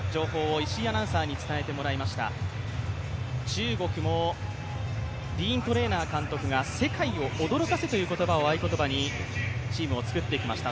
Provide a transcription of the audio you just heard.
中国もディーン・トレーナー監督が世界を驚かすという言葉を合い言葉にチームを作ってきました。